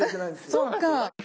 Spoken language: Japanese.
そっか。